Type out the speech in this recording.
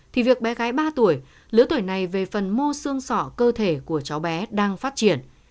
thì việc bé gái ba tuổi lứa tuổi này về phần mô xương sỏ cơ thể của cháu bé đang phát triển